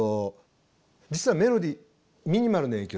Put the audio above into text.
実はメロディーミニマルの影響